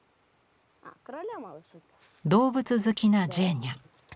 動物好きなジェーニャ。